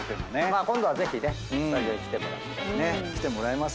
まあ今度はぜひねスタジオに来てもらって。